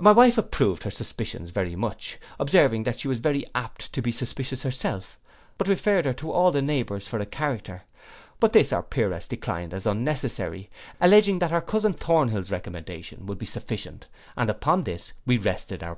My wife approved her suspicions very much, observing, that she was very apt to be suspicious herself; but referred her to all the neighbours for a character: but this our Peeress declined as unnecessary, alledging that her cousin Thornhill's recommendation would be sufficient, and upon this we rested o